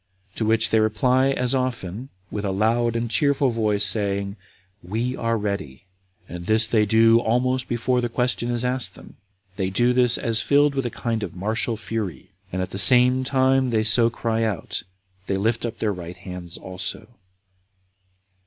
To which they reply as often, with a loud and cheerful voice, saying, "We are ready." And this they do almost before the question is asked them: they do this as filled with a kind of martial fury, and at the same time that they so cry out, they lift up their right hands also.